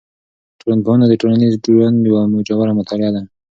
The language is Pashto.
ټولنپوهنه د ټولنیز ژوند یوه ژوره مطالعه ده.